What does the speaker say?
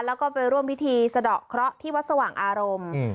แล้วก็ไปร่วมพิธีสะดอกเคราะห์ที่วัดสว่างอารมณ์